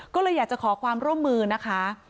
ก็เลยอยากจะขอความร่วมมือนะคะ